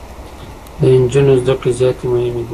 د انجونو زده کړي زياتي مهمي دي.